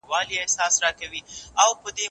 زه هره ورځ درسونه لوستل کوم!؟